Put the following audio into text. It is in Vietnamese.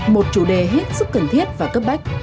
một chủ đề hết sức cần thiết và cấp bách